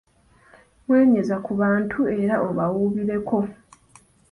Mwenyeza ku bantu era obawuubireko.